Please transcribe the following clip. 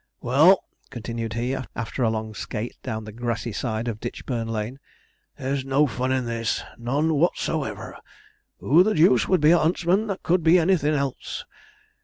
Well,' continued he, after a long skate down the grassy side of Ditchburn Lane, 'there's no fun in this none whatever. Who the deuce would be a huntsman that could be anything else?